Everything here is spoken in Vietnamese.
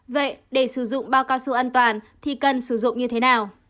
vậy để sử dụng bao cao su an toàn thì cần sử dụng như thế nào